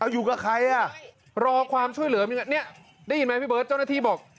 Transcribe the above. อยู่กับใครรอความช่วยเหลือนี่ได้ยินไหมพี่เบิร์ต